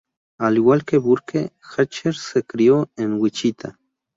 Al igual que Burke, Hatcher se crió en Wichita.